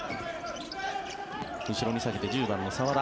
後ろに下げて１０番の澤田。